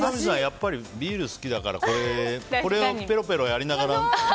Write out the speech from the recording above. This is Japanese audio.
やっぱりビール好きだからこれをペロペロやりながら。